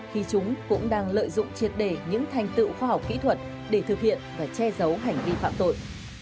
khi chúng cũng đang lợi dụng triệt đề những thành tựu khoa học kỹ thuật để thực hiện và che giấu hành vi phạm tội